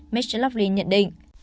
mitch loughlin nhận định